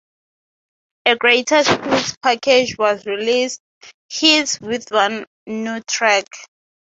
A greatest hits package was released: "Hits", with one new track.